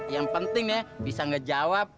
yang penting ya bisa ngejawab